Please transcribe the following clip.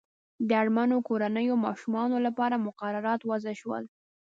د اړمنو کورنیو ماشومانو لپاره مقررات وضع شول.